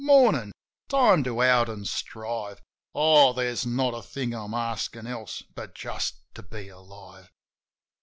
Mornin' ! Time to out an' strive ! Oh, there's not a thing I'm askin' else but just to be alive!